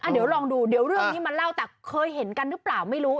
เดี๋ยวลองดูเดี๋ยวเรื่องนี้มาเล่าแต่เคยเห็นกันหรือเปล่าไม่รู้